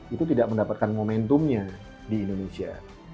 itu tidak mendapatkan momentumnya di indonesia